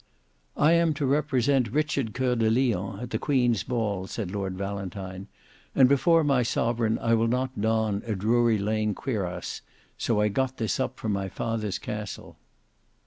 "I am to represent Richard Coeur de Lion at the Queen's ball," said Lord Valentine; "and before my sovereign I will not don a Drury Lane cuirass, so I got this up from my father's castle."